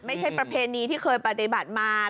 ประเพณีที่เคยปฏิบัติมา